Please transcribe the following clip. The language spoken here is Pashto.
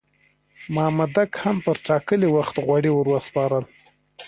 مامدک هم پر ټاکلي وخت غوړي ور وسپارل.